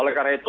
oleh karena itu